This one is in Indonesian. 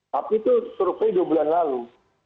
tapi itu survei dua bulan lalu